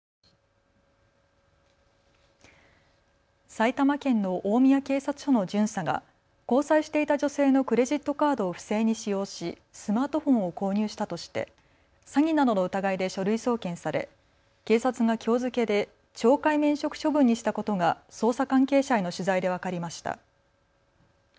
埼玉県の大宮警察署の巡査が交際していた女性のクレジットカードを不正に使用しスマートフォンを購入したとして詐欺などの疑いで書類送検され警察がきょう付けで懲戒免職処分にしたことが捜査関係者への取材で分かりました。